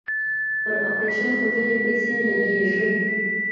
پر اپرېشن خو ډېرې پيسې لگېږي.